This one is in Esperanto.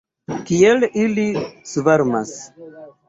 Kiel ili svarmas!